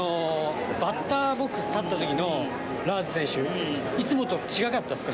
バッターボックス立ったときのラーズ選手、いつもとちがかったですか？